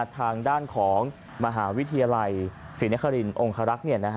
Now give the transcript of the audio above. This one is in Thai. ทางด้านของมหาวิทยาลัยศรีนครินองคารักษ์